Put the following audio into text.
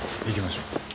行きましょう。